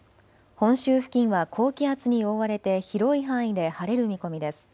本州付近は高気圧に覆われて広い範囲で晴れる見込みです。